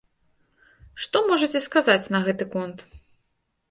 Што можаце сказаць на гэты конт?